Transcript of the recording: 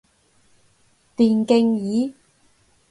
電競椅